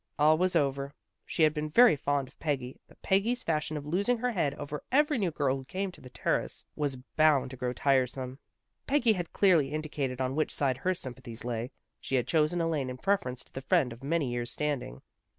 All was over. She had been very fond of Peggy, but Peggy's fashion of losing her head over every new girl who came to the Terrace was bound to grow tiresome. Peggy had 260 THE GIRLS OF FRIENDLY TERRACE clearly indicated on which side her sympathies lay. She had chosen Elaine in preference to the friend of many years standing.